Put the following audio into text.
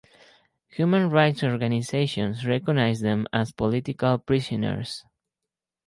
Human rights organizations recognized them as political prisoners.